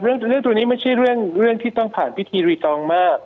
เรื่องตัวนี้ไม่ใช่เรื่องที่ต้องผ่านพิธีรีตองมาก